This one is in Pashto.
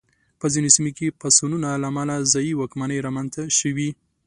په ځینو سیمو کې پاڅونونو له امله ځايي واکمنۍ رامنځته شوې.